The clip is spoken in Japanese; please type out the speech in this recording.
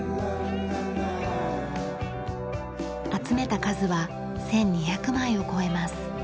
集めた数は１２００枚を超えます。